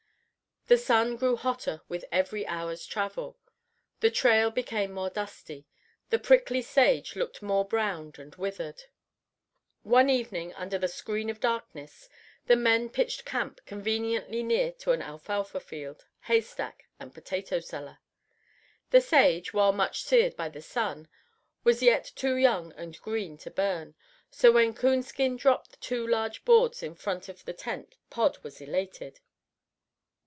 The sun grew hotter with every hour's travel; the trail became more dusty; the prickly sage looked more browned and withered. One evening, under the screen of darkness, the men pitched camp conveniently near to an alfalfa field, hay stack, and potato cellar. The sage, while much seared by the sun, was yet too young and green to burn, so when Coonskin dropped two large boards in front of the tent Pod was elated.